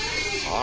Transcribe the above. あ。